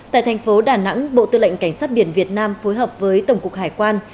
tại thành phố đà nẵng bộ tư lệnh cảnh sát biển việt nam phối hợp với tổng cục hải quan